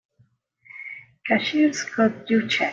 Cashier's got your check.